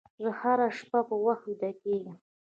زه هره شپه په وخت ویده کېږم.